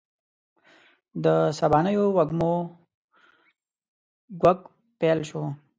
د سبانیو وږمو ږوږ پیل شو